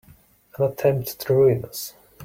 An attempt to ruin us!